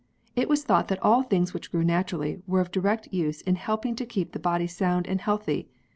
It was thought that all things which grew naturally, were of direct use in helping to keep the body sound and healthy.